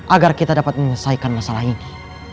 agar kita dapat menyelesaikan masalah ini